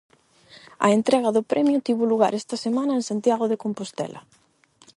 A entrega do premio tivo lugar esta semana en Santiago de Compostela.